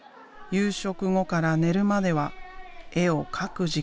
夕食後から寝るまでは絵を描く時間。